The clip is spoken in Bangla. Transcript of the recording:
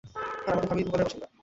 আর আমাদের ভাবি ভোপালের বাসিন্দা।